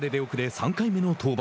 ３回目の登板。